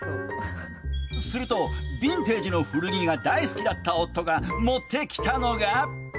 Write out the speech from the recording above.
すると、ビンテージの古着が大好きだった夫が持ってきたのが。